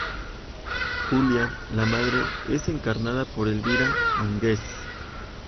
Julia, la madre, es encarnada por Elvira Mínguez.